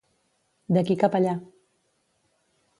D'aquí cap allà.